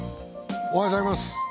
おはようございます。